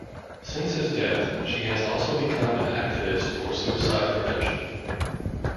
Since his death, she has also become an activist for suicide prevention.